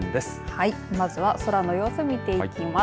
はい、まずは空の様子を見ていきます。